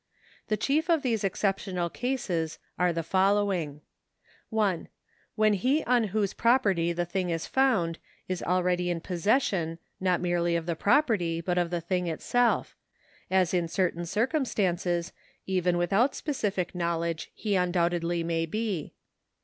The chief of these exceptional cases are the following :— I. When he on whose property the thing is fomid is already in posses sion not merely of the property, but of the thing itself ; as in certain cir cumstances, even without specific knowledge, he undoubtedly may be.